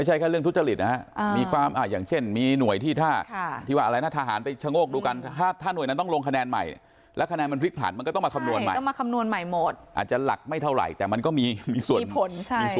ทีนี้จำนวนคนที่ไปใช้สิทธิ์มันก็จะส่งผล